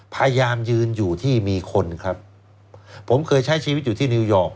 พยายามยืนอยู่ที่มีคนครับผมเคยใช้ชีวิตอยู่ที่นิวยอร์ก